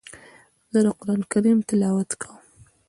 زه د قران کریم تلاوت کوم.